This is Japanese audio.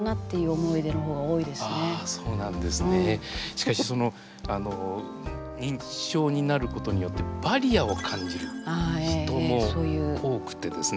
しかしその認知症になることによってバリアを感じる人も多くてですね。